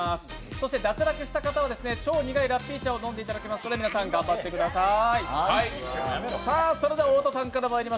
そして脱落した方は超苦いラッピー茶を飲んでいただきますので皆さん頑張ってください。